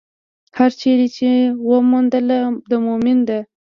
هره چېرې يې چې وموندله، د مؤمن ده.